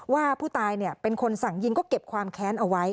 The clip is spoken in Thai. ว่าผู้ตายเป็นคนสั่งยิงก็เก็บความแค้นเอาไว้